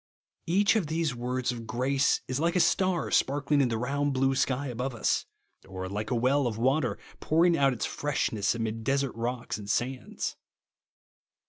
Each of these words of grace is like a star sparkling in the round, blue sky above us ; or like a well of water pouring out its freshness amid desert rocks and sands.